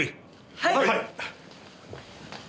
はい！